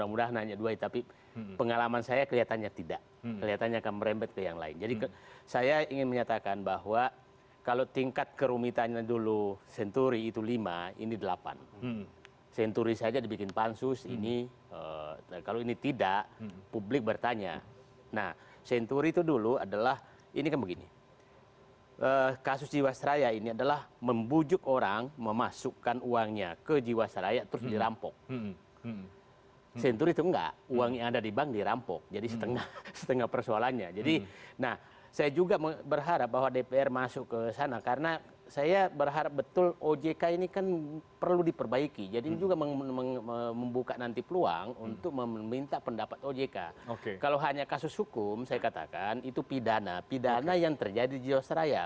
menyelesaikan masalah jiwasraya